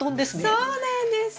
そうなんです！